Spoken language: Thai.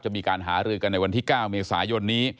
มีการหารือกันในวันที่๙เมษายนนี้